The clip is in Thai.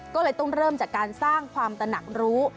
ก็เลยต้องเริ่มจากการสร้างความตนักรู้